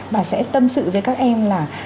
bà sẽ tâm sự với các em là